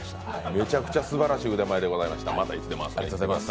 めちゃくちゃすばらしい腕前でございました。